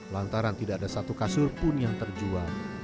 lantaran tidak ada satu kasur pun yang terjual